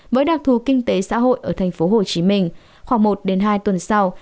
với đặc thù kinh tế xã hội ở tp hcm khoảng một đến hai tuần sau